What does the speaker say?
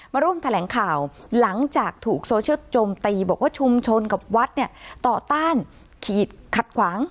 มาร่วมแถลงข่าวหลังจากถูกโซเชียลโจมตีบอกว่าชุมชนกับวัดเนี่ยต่อต้านขีดขัดขวาง